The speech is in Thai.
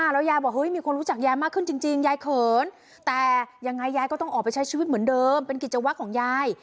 แล้วยายบอกเฮ้ยมีคนรู้จักยายมากขึ้นจริงยายเขินแต่ยังไงยายก็ต้องออกไปใช้ชีวิตเหมือนเดิมเป็นกิจวัตรของยาย